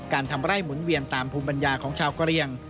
ทำไร่หมุนเวียนตามภูมิปัญญาของชาวกะเรียง